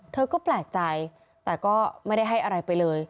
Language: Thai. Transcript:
เธอก็แปลกใจแต่ก็ไม่ได้ให้อะไรไปเลย